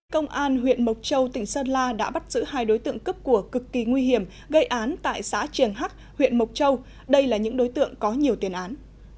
công an huyện mộc châu tỉnh sơn la đã bắt giữ hai đối tượng cấp của cực kỳ nguy hiểm gây án tại xã triềng hắc huyện mộc châu đây là những đối tượng có nhiều tiền án